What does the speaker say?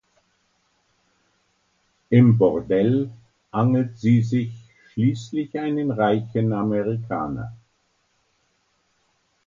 Im Bordell angelt sie sich schließlich einen reichen Amerikaner.